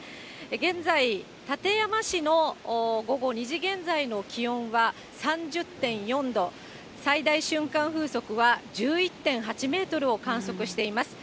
現在、館山市の午後２時現在の気温は３０．４度、最大瞬間風速は１１．８メートルを観測しています。